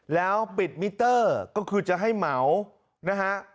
แล้วปิดมิเตอร์ก็คือจะให้เหมานะฮะ